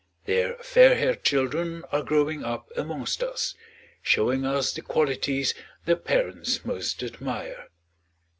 Their fair haired children are growing up amongst us, showing us the qualities their parents most admire.